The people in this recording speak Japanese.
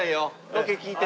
ロケ聞いて。